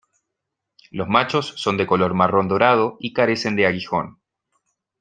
Los machos son de color marrón dorado y carecen de aguijón.